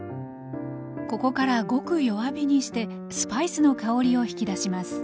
ここからごく弱火にしてスパイスの香りを引き出します。